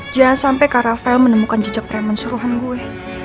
jangan sampai kak ravel menemukan jejak preman suruhan gue